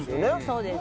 そうです。